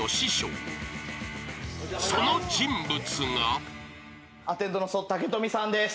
［その人物が］